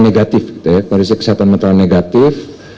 negatif kondisi kesehatan mental negatif